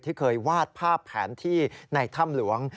ที่เคยวาดภาพแผนที่ในถ้ำหลวง